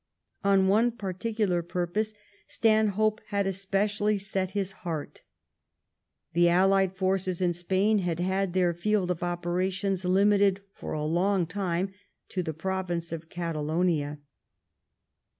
On one particular purpose'Star^ope had especially set his heart. The allied forces in Spain had had their field of operations limited for a long time to the province of Catalonia.